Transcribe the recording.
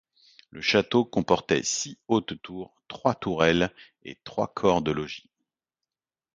Le château comportait six hautes tours, trois tourelles et trois corps de logis.